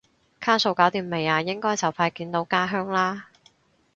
卡數搞掂未啊？應該就快見到家鄉啦？